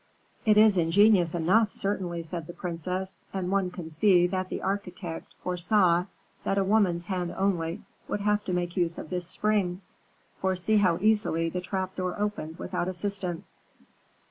"It is ingenious enough, certainly," said the princess; "and one can see that the architect foresaw that a woman's hand only would have to make use of this spring, for see how easily the trap door opened without assistance."